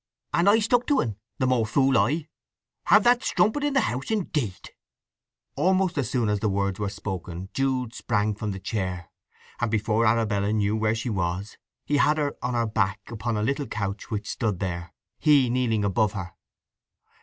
"And I stuck to un—the more fool I! Have that strumpet in the house indeed!" Almost as soon as the words were spoken Jude sprang from the chair, and before Arabella knew where she was he had her on her back upon a little couch which stood there, he kneeling above her.